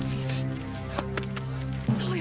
そうよ。